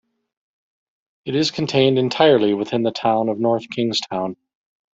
It is contained entirely within the town of North Kingstown.